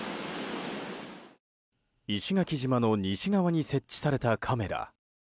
石垣島の西側に設置されたカメラ。